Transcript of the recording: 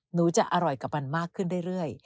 หนูจะอร่อยกับมันมากขึ้นเรื่อย